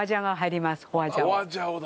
花椒だ。